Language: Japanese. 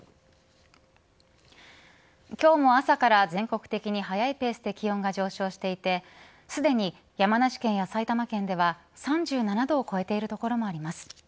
今日も朝から全国的に早いペースで気温が上昇していてすでに山梨県や埼玉県では３７度を超えている所もあります。